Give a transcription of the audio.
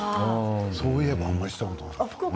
そういえばあまりしたことない。